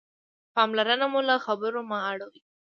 پاملرنه مو له خبرو مه اړوئ.